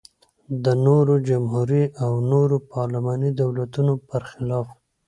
د نورو جمهوري او نورو پارلماني دولتونو پرخلاف.